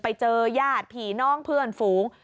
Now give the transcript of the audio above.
ไปเจอญาติผีน้องเพื่อนฝูง